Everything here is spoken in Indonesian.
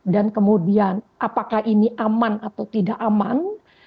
dan kemudian apakah ini aman atau tidak aman